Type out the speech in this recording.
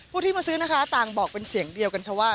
ผู้ที่มาซื้อนะคะต่างบอกเป็นเสียงเดียวกันค่ะว่า